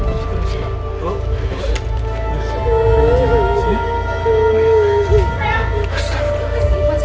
bersih bersih bersih